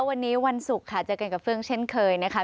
วันนี้วันศุกร์ค่ะเจอกันกับเฟื่องเช่นเคยนะคะ